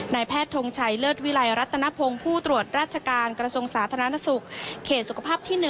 แพทย์ทงชัยเลิศวิลัยรัตนพงศ์ผู้ตรวจราชการกระทรวงสาธารณสุขเขตสุขภาพที่๑